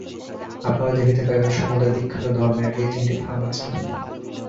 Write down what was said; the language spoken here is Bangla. আপনারা দেখিতে পাইবেন, সমুদয় বিখ্যাত ধর্মের এই তিনটি ভাগ আছে।